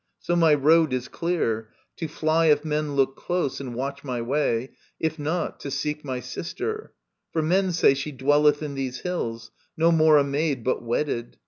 So my road is clear Digitized by VjOOQIC 8 EURIPIDES To By if men look close and watch my way ; If not, to seek my sister. For men say She dwelleth in these hills, no more a maid But wedded.